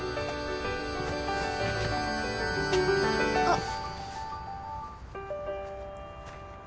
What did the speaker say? あっ。